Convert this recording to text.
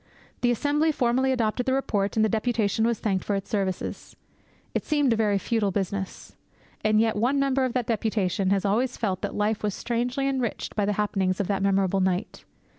The Assembly formally adopted the report, and the deputation was thanked for its services. It seemed a very futile business. And yet one member of that deputation has always felt that life was strangely enriched by the happenings of that memorable night.